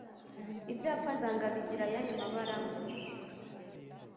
Ibyapa ndanga bigira ayahe mabara?